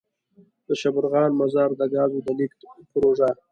دشبرغان -مزار دګازو دلیږد پروژه.